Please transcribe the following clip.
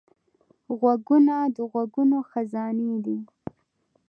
غوږونه د غږونو خزانې دي